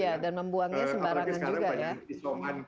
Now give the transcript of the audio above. iya dan membuangnya sembarangan juga ya